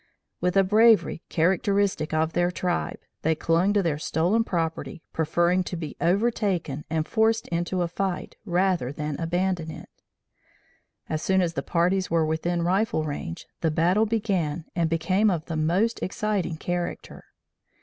With a bravery characteristic of their tribe, they clung to their stolen property, preferring to be overtaken and forced into a fight rather than abandon it. As soon as the parties were within rifle range, the battle began and became of the most exciting character.